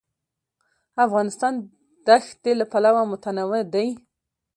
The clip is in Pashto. افغانستان د ښتې له پلوه متنوع دی.